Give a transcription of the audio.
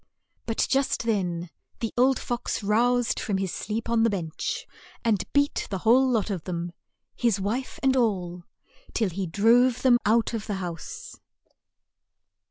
But just then the old fox roused from his sleep on the bench, and beat the whole lot of them, his wife and all, till he drove them out of the house.